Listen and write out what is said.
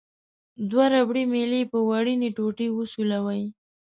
دوه ربړي میلې په وړینې ټوټې وسولوئ.